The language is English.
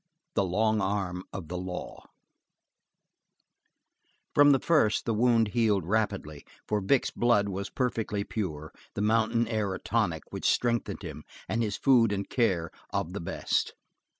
The Long Arm Of The Law From the first the wound healed rapidly, for Vic's blood was perfectly pure, the mountain air a tonic which strengthened him, and his food and care of the best.